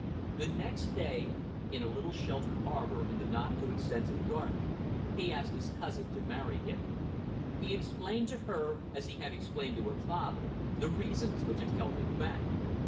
The next day, in a little sheltered arbour in the not too extensive garden, he asked his cousin to marry him. He explained to her, as he had explained to her father, the reasons which had held him back.